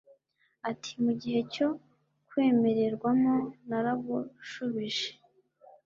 ati mu gihe cyo kwemererwamo naragushubije